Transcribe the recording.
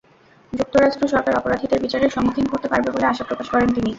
যুক্তরাষ্ট্র সরকার অপরাধীদের বিচারের সম্মুখীন করতে পারবে বলে আশা প্রকাশ করেন তিনি।